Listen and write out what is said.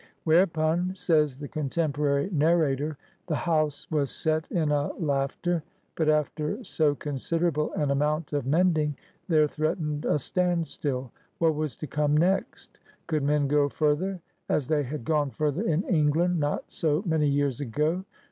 "YS^ereupon, says the contemporary narrator, ^^the house was set in a laughter/' But after so considerable an amount of mending there threatened a standstill. What was to come next? Could men go further — as they had gone further in England not so many years ago?